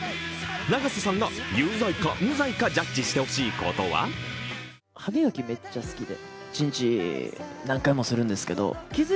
永瀬さんが有罪か無罪かジャッジしてほしいことは果たしてジャッジは？